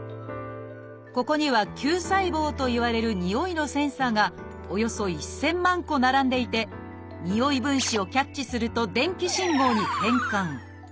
ここには「嗅細胞」といわれるにおいのセンサーがおよそ１，０００万個並んでいてにおい分子をキャッチすると電気信号に変換。